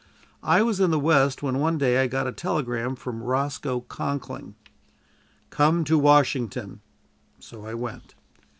I was in the West, when one day I got a telegram from Roscoe Conkling: "Come to Washington." So I went.